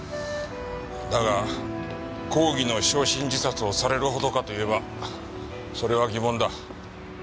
だが抗議の焼身自殺をされるほどかと言えばそれは疑問だ。